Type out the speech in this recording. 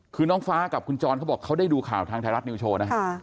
คือน้องฟ้ากับคุณจรเขาบอกเขาได้ดูข่าวทางไทยรัฐนิวโชว์นะฮะ